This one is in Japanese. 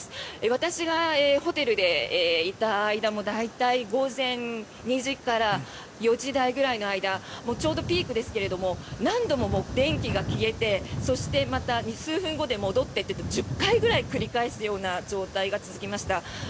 私がホテルにいた間も大体午前２時から４時台くらいの間ちょうどピークですけれど何度も電気が消えてそして、また数分後で戻ってと１０回くらい繰り返すような状態が続きました。